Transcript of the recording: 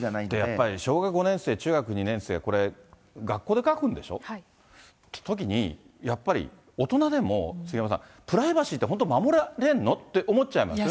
やっぱり小学５年生、中学２年生、これ、はい。というときに、やっぱり、大人でも、杉山さん、プライバシーって本当守られるの？って思っちゃいますよね。